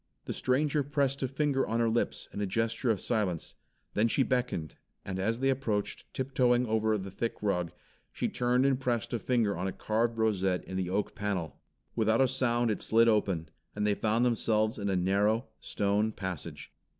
The stranger pressed a finger on her lips in a gesture of silence, then she beckoned, and as they approached, tiptoeing over the thick rug, she turned and pressed a finger on a carved rosette in the oak panel. Without a sound it slid open, and they found themselves in a narrow, stone passage.